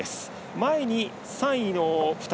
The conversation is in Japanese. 前に、３位の２人。